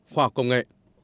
hoặc công nghệ